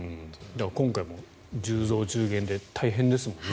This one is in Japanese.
今回も１０増１０減で大変ですもんね。